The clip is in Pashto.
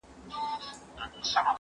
ځکه ډلي جوړوي د شریکانو